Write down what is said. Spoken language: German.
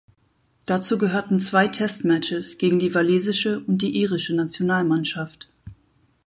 Dazu gehörten zwei Test Matches gegen die walisische und die irische Nationalmannschaft.